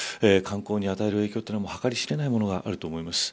海の観光に与える影響は計り知れないものがあると思います。